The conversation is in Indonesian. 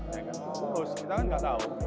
terus kita kan nggak tahu